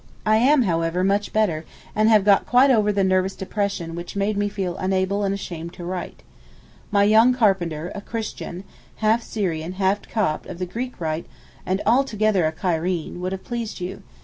I am, however, much better, and have quite got over the nervous depression which made me feel unable and ashamed to write. My young carpenter—a Christian—half Syrian, half Copt, of the Greek rite, and altogether a Cairene—would have pleased you.